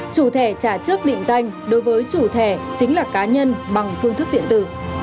chủ thẻ trả trước định danh đối với chủ thẻ chính là cá nhân bằng phương thức điện tử